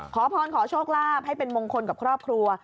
เคาะพรเคาะโชคราบให้เป็นมงคลกับครอบครัว